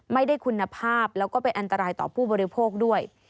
ไม่ได้คุณภาพแล้วก็เป็นอันตรายต่อผู้บริโภคด้วย